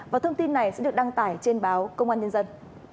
và thông tin này sẽ được đăng tải trên báo công an nhân dân